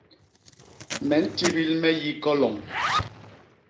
Me ntibil me yi koloñ.